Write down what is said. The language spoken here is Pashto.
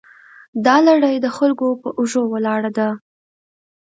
دا لړۍ د خلکو په اوږو ولاړه ده.